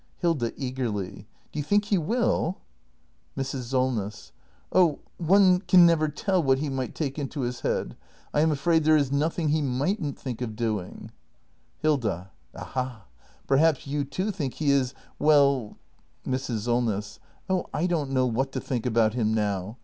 Hilda. [Eagerly.] Do you think he will ? Mrs. Solness. Oh, one can never tell what he might take into his head. I am afraid there is nothing he mightn't think of doing. 418 THE MASTER BUILDER [act hi Hilda. Aha ! Perhaps you too think that he is — well ? Mrs. Solness. Oh, I don't know what to think about him now.